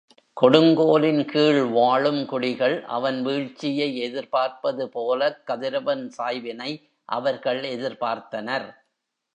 கொடுங்கோலின் கீழ்வாழும் குடிகள் அவன் வீழ்ச்சியை எதிர்பார்ப்பது போலக் கதிரவன் சாய்வினை அவர்கள் எதிர்பார்த்தனர்.